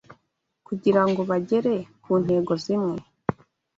kugirango bagere kuntego zimwe